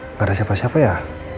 nggak ada siapa siapa ya